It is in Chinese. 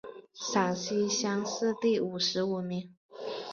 陕西乡试第五十五名。